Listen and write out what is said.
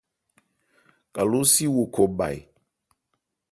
Kalósi wo khɔ bha e ?